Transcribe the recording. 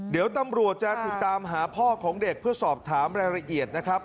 เดี๋ยวตำรวจจะติดตามหาพ่อของเด็กเพื่อสอบถามรายละเอียดนะครับ